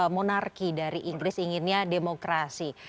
monarki dari inggris inginnya demokrasi